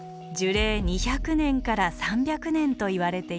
２００年から３００年といわれています。